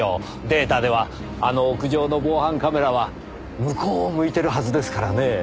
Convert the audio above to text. データではあの屋上の防犯カメラは向こうを向いているはずですからねぇ。